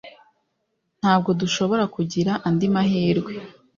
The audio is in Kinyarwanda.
Ntabwo dushobora kugira andi mahirwe.